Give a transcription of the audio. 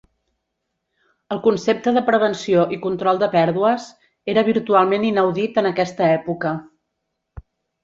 El concepte de prevenció i control de pèrdues era virtualment inaudit en aquesta època.